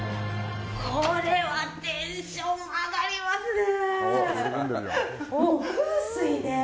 これはテンション上がりますね。